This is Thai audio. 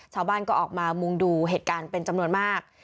ชาวบ้านก็ออกมามุงดูเหตุการณ์เป็นจำนวนมาก